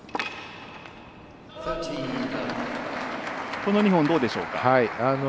この２本、どうでしょうか。